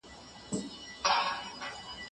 دا معلومات ارزښتناک دي.